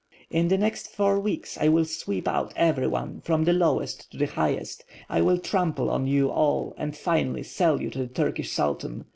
"In the next four weeks I will sweep out every one, from the lowest to the highest. I will trample on you all and finally sell you to the Turkish Sultan.